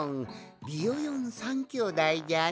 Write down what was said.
ビヨヨン３きょうだいじゃな。